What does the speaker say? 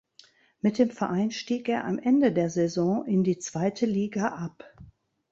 Mit dem Verein stieg er am Ende der Saison in die zweite Liga ab.